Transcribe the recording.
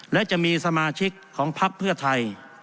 และจะมีสมาชิกของพักเพื่อไทย